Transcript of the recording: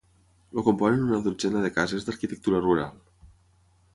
El componen una dotzena de cases d'arquitectura rural.